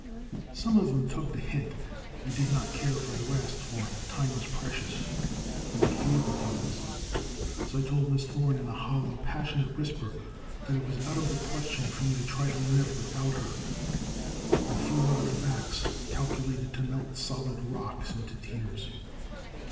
*' Some of them took the hint. I did not care for the rest, for time was precious, and I feared the Timmins ! So I told Miss Thorne in a hollow, passionate whisper that it was out of the question for me to try to live without her, — ^and a few other facts calculated to melt solid rocks into tears.